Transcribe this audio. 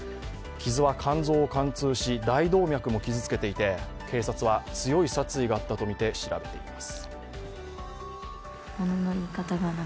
傷は肝臓を貫通し、大動脈も傷つけていて警察は、強い殺意があったとみて調べています。